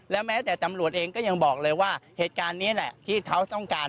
แม้แต่ตำรวจเองก็ยังบอกเลยว่าเหตุการณ์นี้แหละที่เขาต้องการ